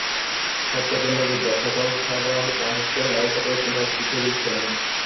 হত্যার জন্য বুধবার সকালে সাভার বাসস্ট্যান্ড এলাকা থেকে তিনি একটি ছুরি কেনেন।